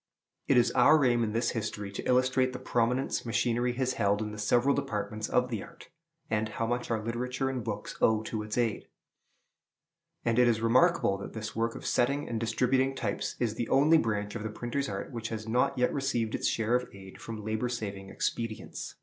It is our aim in this history to illustrate the prominence machinery has held in the several departments of the art, and how much our literature and books owe to its aid; and it is remarkable that this work of setting and distributing types is the only branch of the printer's art which has not yet received its share of aid from labor saving expedients.